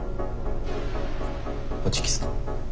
ホチキスの？